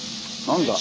何だ？